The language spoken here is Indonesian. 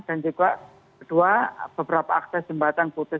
dan juga kedua beberapa akses jembatan putus